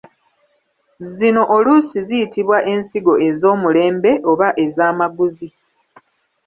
Zino oluusi ziyitibwa ensigo ez’omulembe oba ez’amaguzi.